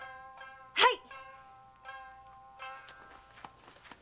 はい！